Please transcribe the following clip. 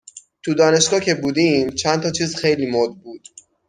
تو دانشگاه که بودیم چند تا چیز خیلی مُد بود